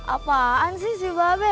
apaan sih sih babe